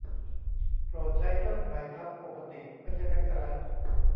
โปรดใช้เครื่องหมายทับปกติไม่ใช่แบ็กสแลช